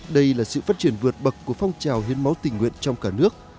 đây là sự phát triển vượt bậc của phong trào hiến máu tình nguyện trong cả nước